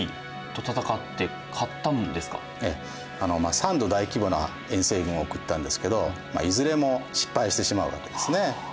３度大規模な遠征軍を送ったんですけどいずれも失敗してしまうわけですね。